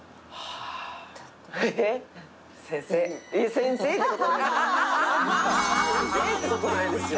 先生ってことないですよ。